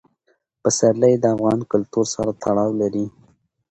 پسرلی د افغان کلتور سره تړاو لري.